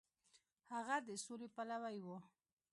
هغه د سولې پلوی و.